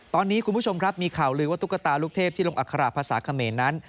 ตอนนี้คุณผู้ชมครับมีข่าวลือว่าตุ๊กตาลูกเทพที่ลงอัคราภาษาเขมรนั้น